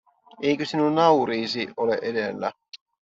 Eikö sinun nauriisi ole edellä?